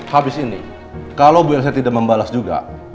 habis ini kalau bu elsa tidak membalas juga